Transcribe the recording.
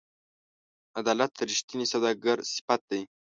عدالت د رښتیني سوداګر صفت دی.